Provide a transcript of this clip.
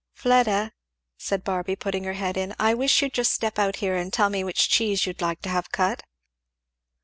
"Fleda," said Barby putting her head in, "I wish you'd just step out here and tell me which cheese you'd like to have cut."